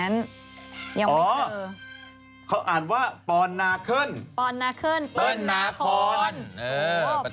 นี่ใครเขียนไหมครับ